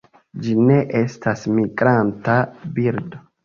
Ĝi ne estas migranta birdo.